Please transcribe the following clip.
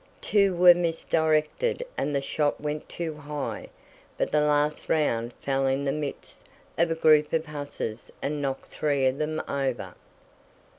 Two were misdirected and the shot went too high, but the last round fell in the midst of a group of hussars and knocked three of them over.